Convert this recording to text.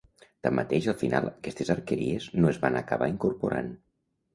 Tanmateix al final aquestes arqueries no es van acabar incorporant.